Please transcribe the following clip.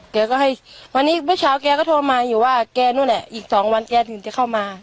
แกก็ให้วันนี้เมื่อเช้าแกก็โทรมาอยู่ว่าแกนู่นแหละอีกสองวันแกถึงจะเข้ามา